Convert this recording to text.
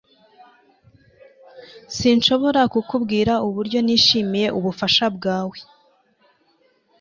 sinshobora kukubwira uburyo nishimiye ubufasha bwawe